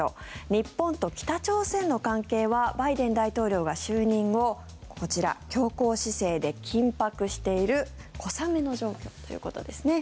日本と北朝鮮の関係はバイデン大統領が就任後こちら、強硬姿勢で緊迫している小雨の状況ということですね。